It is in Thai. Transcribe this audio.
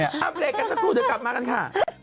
อัปเดตกันสักครู่เดี๋ยวกลับมากันค่ะ